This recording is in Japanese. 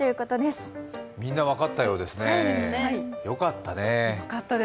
みんな分かったようですね、よかったね。